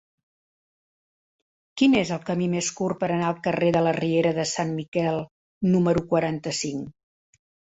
Quin és el camí més curt per anar al carrer de la Riera de Sant Miquel número quaranta-cinc?